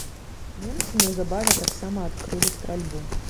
Немцы неўзабаве таксама адкрылі стральбу.